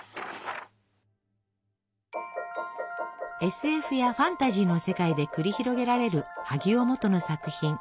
ＳＦやファンタジーの世界で繰り広げられる萩尾望都の作品。